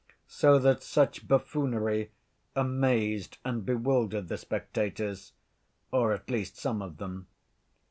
So that such buffoonery amazed and bewildered the spectators, or at least some of them.